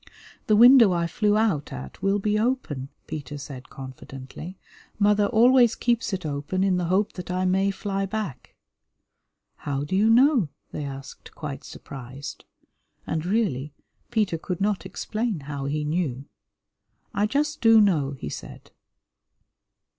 "The window I flew out at will be open," Peter said confidently. "Mother always keeps it open in the hope that I may fly back." "How do you know?" they asked, quite surprised, and, really, Peter could not explain how he knew. "I just do know," he said.